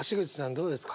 どうですか？